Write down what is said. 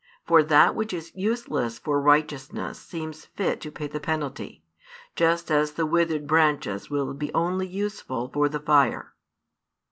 For that which is useless for righteousness seems fit to pay the penalty, just as the withered branches will be only useful for the fire.